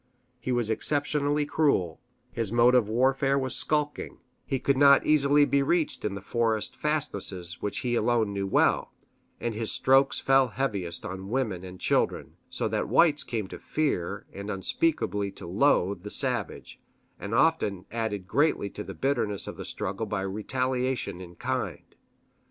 He was exceptionally cruel, his mode of warfare was skulking, he could not easily be reached in the forest fastnesses which he alone knew well, and his strokes fell heaviest on women and children; so that whites came to fear and unspeakably to loathe the savage, and often added greatly to the bitterness of the struggle by retaliation in kind.